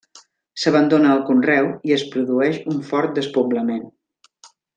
S'abandona el conreu i es produeix un fort despoblament.